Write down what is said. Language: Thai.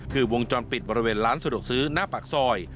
คือวงจรปิดบริเวณร้านสะดวกซื้อหน้าปากซอย